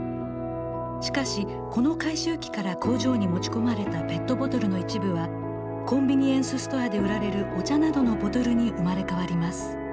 しかしこの回収機から工場に持ち込まれたペットボトルの一部はコンビニエンスストアで売られるお茶などのボトルに生まれ変わります。